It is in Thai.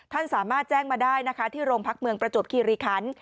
ท่านสามารถแจ้งมาได้นะคะที่โรงพักเมืองประจวบคีรีคัน